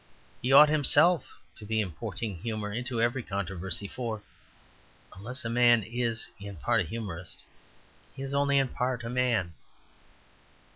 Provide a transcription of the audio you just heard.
He ought himself to be importing humour into every controversy; for unless a man is in part a humorist, he is only in part a man.